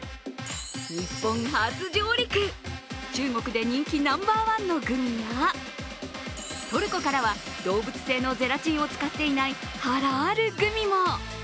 日本初上陸、中国で人気ナンバーワンのグミやトルコからは、動物性のゼラチンを使っていないハラールグミも。